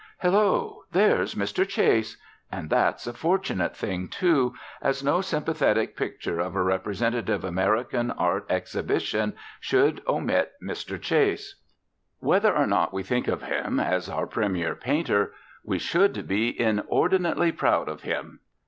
Hello, there's Mr. Chase! And that's a fortunate thing, too, as no sympathetic picture of a representative American art exhibition should omit Mr. Chase. Whether or not we think of him as our premier painter, we should be inordinately proud of him.